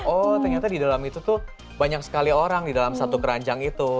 oh ternyata di dalam itu tuh banyak sekali orang di dalam satu keranjang itu